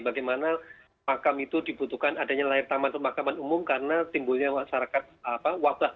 bagaimana makam itu dibutuhkan adanya lahir taman pemakaman umum karena timbulnya masyarakat wabah